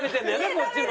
こっちも。